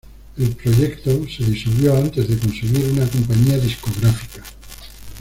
El proyecto se disolvió antes de conseguir una compañía discográfica.